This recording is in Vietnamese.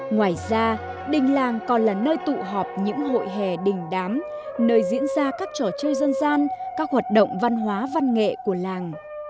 ngoài ra đình làng còn là nơi tụ họp những hội hè đình đám nơi diễn ra các trò chơi dân gian các hoạt động văn hóa văn nghệ của làng